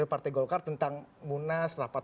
dari partai golkar tentang munas rapat